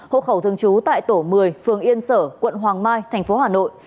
hộ khẩu thường trú tại tổ một mươi phường yên sở quận hoàng mai tp hà nội